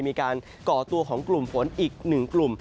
ก่อตัวของกลุ่มฝนอีกหนึ่งกลุ่ม